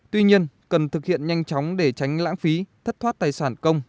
tuy nhiên cần thực hiện nhanh chóng để tránh lãng phí thất thoát tài sản công